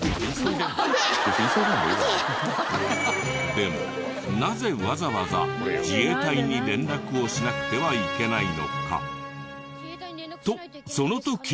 でもなぜわざわざ自衛隊に連絡をしなくてはいけないのか？とその時。